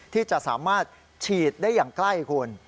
ที่จะสามารถฉีดได้อย่างใกล้คุณ